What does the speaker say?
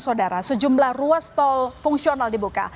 saudara sejumlah ruas tol fungsional dibuka